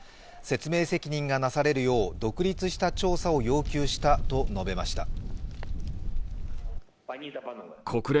説明責任がなされるよう独立した調査を要求したと述べました。